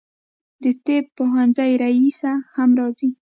د طب پوهنځي رییسه هم راځي.